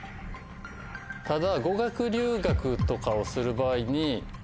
ただ。